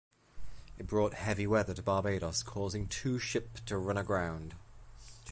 It brought "heavy weather" to Barbados, causing two ship to run aground.